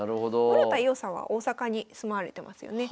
室田伊緒さんは大阪に住まわれてますよね